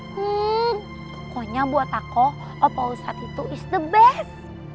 pokoknya buat aku opa ustad itu is the best